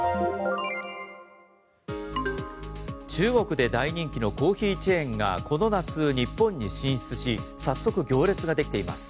中国で大人気のコーヒーチェーンがこの夏、日本に進出し早速、行列ができています。